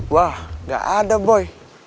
wah enggak ada boy